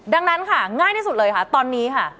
ดังนั้นค่ะง่ายที่สุดเลยค่ะตอนนี้ค่ะ